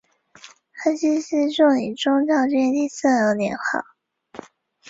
嘉熙是宋理宗赵昀的第四个年号。